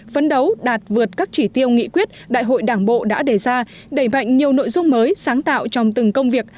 phấn đấu đạt vượt các chỉ tiêu nghị quyết đại hội đảng bộ đã đề ra đẩy mạnh nhiều nội dung mới sáng tạo trong từng công việc